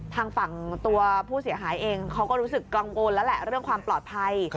ทางฝั่งตัวผู้เสียหายเองเขาก็รู้สึกกังวลแล้วแหละเรื่องความปลอดภัย